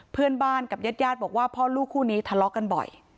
เพื่อนบ้านกับญาติญาติบอกว่าพ่อลูกคู่นี้ทะเลาะกันบ่อย